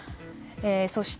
そして、